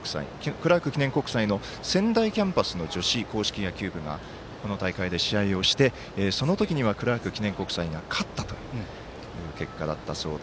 クラーク記念国際の仙台キャンパスの女子硬式野球部がこの大会で試合をしてその時にはクラーク記念国際が勝ったという結果だったそうで。